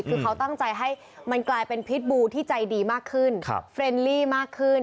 คือเขาตั้งใจให้มันกลายเป็นพิษบูที่ใจดีมากขึ้นเฟรนลี่มากขึ้น